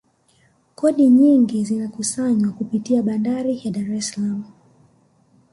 kodi nyingi zinakusanywa kupitia bandari ya dar es salaam